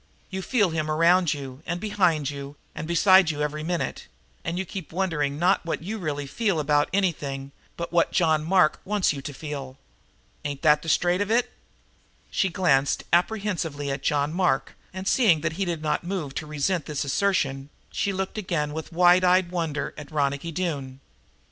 You feel him around you and behind you and beside you every minute, and you keep wondering not what you really feel about anything, but what John Mark wants you to feel. Ain't that the straight of it?" She glanced apprehensively at John Mark, and, seeing that he did not move to resent this assertion, she looked again with wide eyed wonder at Ronicky Doone.